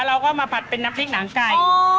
เราก็มาผัดเป็นน้ำพริกหนังไก่